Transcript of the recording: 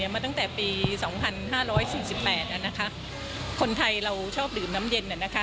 มาตั้งแต่ปี๒๕๔๘คนไทยเราชอบดื่มน้ำเย็น